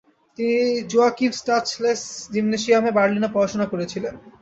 তিনি জোয়াকিমস্টালচেস জিমনেসিয়ামে বার্লিনে পড়াশোনা করেছিলেন।